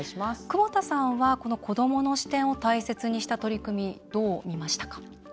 久保田さんはこの子どもの視点を大切にした取り組みどう見ましたか？